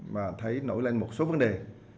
và thấy nổi lên một số vấn đề